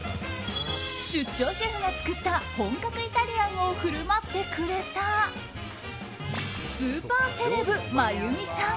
出張シェフが作った本格イタリアンを振る舞ってくれたスーパーセレブ真弓さん。